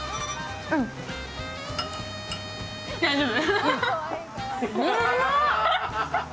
大丈夫？